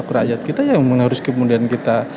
rakyat kita yang harus kemudian kita